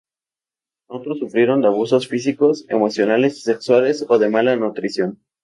Otros sufrieron de abusos físicos, emocionales y sexuales o de mala nutrición.